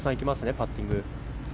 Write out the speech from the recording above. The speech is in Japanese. パッティング。